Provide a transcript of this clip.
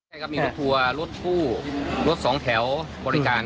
มีรถทัวร์รถผู้รถ๒แถวบริการ